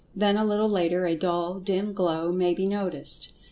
Then a little later a dull, dim glow may be noticed.